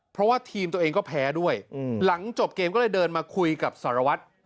เพราะว่าทีมตัวเองก็แพ้ด้วยหลังจบเกมก็เลยเดินมาคุยกับสารวัตร